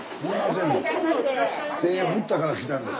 手振ったから来たんです。